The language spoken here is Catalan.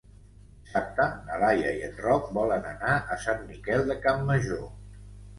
Dissabte na Laia i en Roc volen anar a Sant Miquel de Campmajor.